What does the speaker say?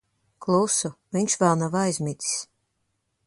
Klusu. Viņš vēl nav aizmidzis.